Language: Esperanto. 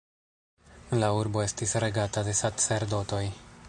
La urbo estis regata de sacerdotoj.